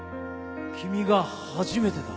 君が初めてだ。